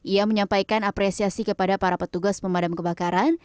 ia menyampaikan apresiasi kepada para petugas pemadam kebakaran